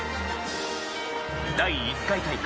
第１回大会